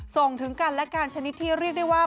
ส่งถึงกันและกันชนิดที่เรียกได้ว่า